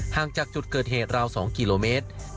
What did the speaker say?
ห่างจากจุดเกิดเหตุราว๒กิโลเมตร